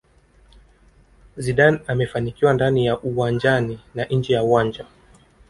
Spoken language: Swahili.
Zidane amefanikiwa ndani ya uwanjani na nje ya uwanja